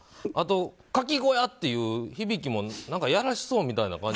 あと、かき小屋って響きもやらしそうみたいな。